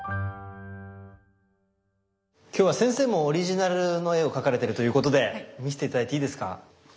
今日は先生もオリジナルの絵を描かれてるということで見せて頂いていいですか？